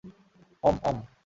ওম, - ওম।